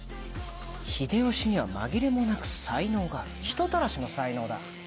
秀吉にはまぎれもなく才能がある人たらしの才能だ。